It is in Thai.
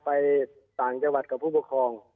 ไปต่างจังหวัดกับผู้ปกครอง